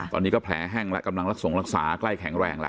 ตอนนี้ก็แผลแห้งแล้วกำลังรักษาใกล้แข็งแรงแล้ว